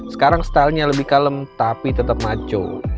sekarang stylenya lebih kalem tapi tetap maco